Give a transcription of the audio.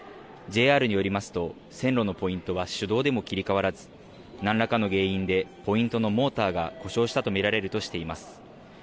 ＪＲによりますと線路のポイントは手動でも切り替わらず何らかの原因でポイントのモーターが故障したと見られるとしています。